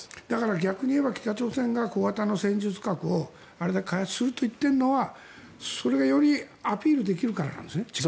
逆に言えば、北朝鮮が小型の戦術核をあれだけ開発するといってるのはそれがよりアピールできるからなんですね？